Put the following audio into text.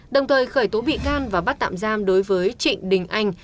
đồng thời khởi tố bị can và bắt tạm giam đối với trịnh đình anh